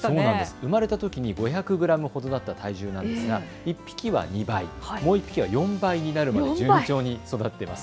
生まれたときに５００グラムほどだった体重は１匹は２倍に、もう１匹は４倍になるまで順調に育っています。